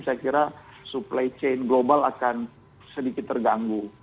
saya kira supply chain global akan sedikit terganggu